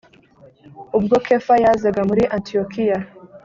ubwo kefa yazaga muri antiyokiya